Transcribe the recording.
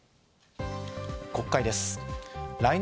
国会です。